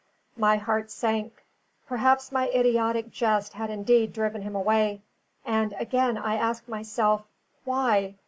My heart sank; perhaps my idiotic jest had indeed driven him away; and again I asked myself, Why?